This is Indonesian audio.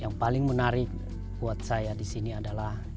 yang paling menarik buat saya di sini adalah